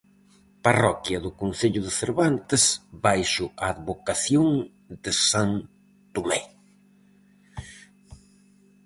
Parroquia do concello de Cervantes baixo a advocación de san Tomé.